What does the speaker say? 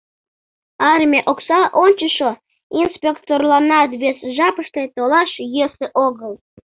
Арыме окса ончышо инспекторланат вес жапыште толаш йӧсӧ огыл.